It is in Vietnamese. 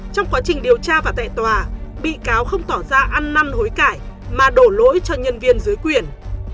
trong quá trình điều tra và tại tòa bị cáo không tỏ ra ăn năn hối cải mà đổ lỗi cho nhân viên dưới quyền